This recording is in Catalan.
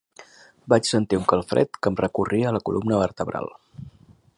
Vaig sentir un calfred que em recorria la columna vertebral.